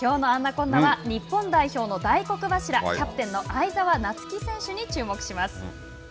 こんなは、日本代表の大黒柱、キャプテンの相澤菜月選手に注目します。